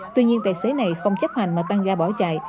tuy nhiên tài xế này không chấp hành mà tăng ga bỏ chạy